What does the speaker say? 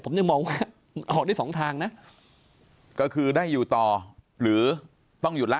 ผมยังมองว่ามันออกได้สองทางนะก็คือได้อยู่ต่อหรือต้องหยุดละ